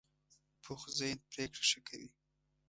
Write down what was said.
پوخ ذهن پرېکړه ښه کوي